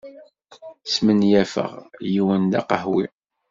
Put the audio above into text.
Smenyafeɣ yiwen d aqehwi.